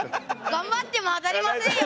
頑張っても当たりませんよ